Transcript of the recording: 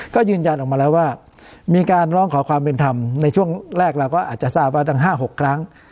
ก็ยืนยันออกมาแล้วว่ามีการร้องขอความเป็นธรรมในช่วงแรกเราก็อาจจะทราบว่าตั้ง๕๖ครั้ง